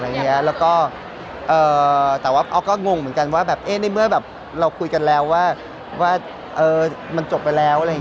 แล้วก็แต่ว่าออกก็งงเหมือนกันว่าในเมื่อเราคุยกันแล้วว่ามันจบไปแล้ว